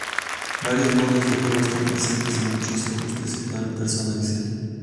Varios modos de juego están presentes y muchos ajustes se pueden personalizar.